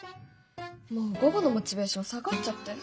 もう午後のモチベーション下がっちゃって。